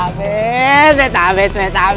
gak mana seremnya iya gak